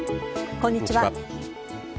こんにちは。